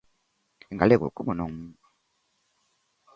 En galego, como non?